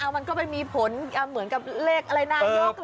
มันก็ไปมีผลเหมือนกับเลขอะไรนายก